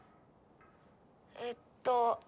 ええっと